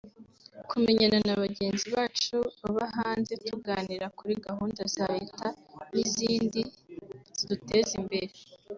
kumenyana na bagenzi bacu baba hanze tuganira kuri gahunda za Leta n’izindi ziduteza imbere